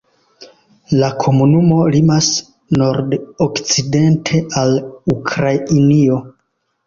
La komunumo limas nord-okcidente al Ukrainio.